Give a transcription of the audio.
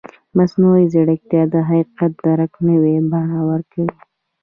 مصنوعي ځیرکتیا د حقیقت درک نوې بڼه ورکوي.